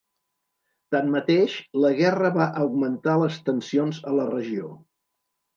Tanmateix, la guerra va augmentar les tensions a la regió.